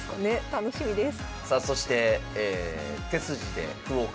楽しみです。